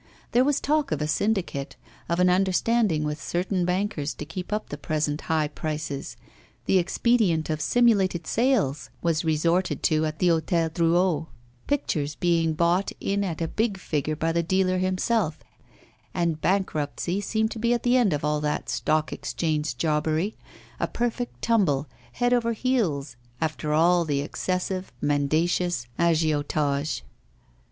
There was talk of a syndicate, of an understanding with certain bankers to keep up the present high prices; the expedient of simulated sales was resorted to at the Hôtel Drouot pictures being bought in at a big figure by the dealer himself and bankruptcy seemed to be at the end of all that Stock Exchange jobbery, a perfect tumble head over heels after all the excessive, mendacious agiotage.